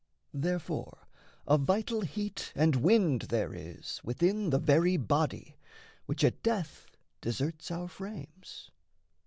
Therefore a vital heat and wind there is Within the very body, which at death Deserts our frames.